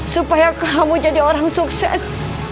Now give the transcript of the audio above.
supaya kamu jadi orang sukses